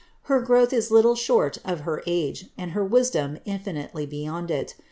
Her growth is little short of her age, and her wisdom infinitely beyond it.